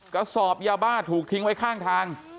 กระสอบยาบ้าถูกทิ้งไว้ข้างทาง